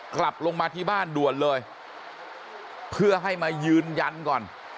กลับลงมาที่บ้านด่วนเลยเพื่อให้มายืนยันก่อน